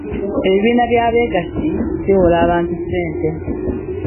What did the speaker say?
Ebibiina bya begasi biwola abantu ssente.